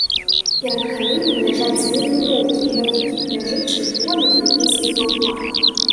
Перад каменем ляжаць дзве вінтоўкі, на якіх ляжыць чырвоны фрыгійскі каўпак.